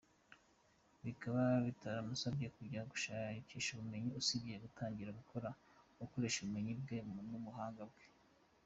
Bikaba bitaramusabye kujya gushakisha ubumenyi Usibye gutangira gukora, akoresheje ubumenyi bwe nubuhanga bwe.